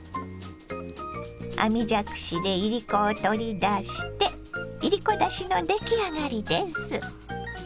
網じゃくしでいりこを取り出していりこだしの出来上がりです。